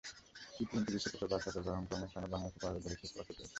T twenty বিশ্বকাপের বাছাই পর্বে হংকংয়ের সঙ্গে বাংলাদেশের পরাজয় দেখে খুব কষ্ট পেয়েছি।